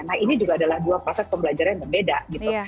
nah ini juga adalah dua proses pembelajaran yang berbeda gitu